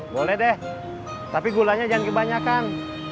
boleh deh tapi gulanya jangan kebanyakan